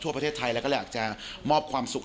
ประเทศไทยแล้วก็เลยอยากจะมอบความสุข